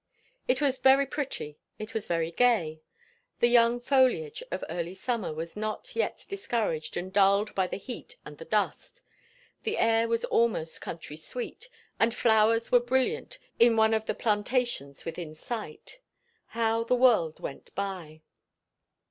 It was very pretty; it was very gay; the young foliage of early summer was not yet discouraged and dulled by the heat and the dust; the air was almost country sweet, and flowers were brilliant in one of the plantations within sight. How the world went by!